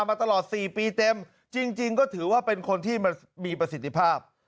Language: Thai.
มาตลอด๔ปีเต็มจริงก็ถือว่าเป็นคนที่มันมีประสิทธิภาพ